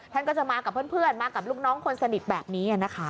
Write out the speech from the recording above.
ท่านก็จะมากับเพื่อนมากับลูกน้องคนสนิทแบบนี้นะคะ